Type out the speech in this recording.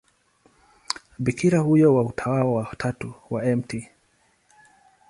Bikira huyo wa Utawa wa Tatu wa Mt.